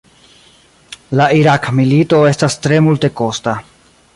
La Irak-milito estas tre multekosta.